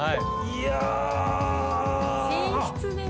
いや。